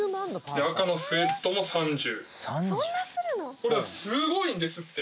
これはすごいんですって！